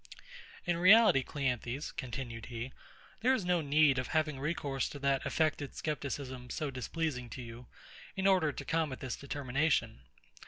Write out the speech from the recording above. In reality, CLEANTHES, continued he, there is no need of having recourse to that affected scepticism so displeasing to you, in order to come at this determination.